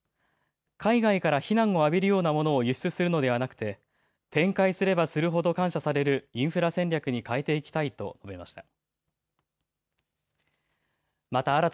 海外から非難を浴びるようなものを輸出するのではなくて、展開すればするほど感謝されるインフラ戦略に変えていきたいと答えました。